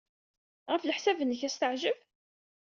Ɣef leḥsab-nnek, ad as-teɛjeb?